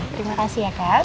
terima kasih ya kat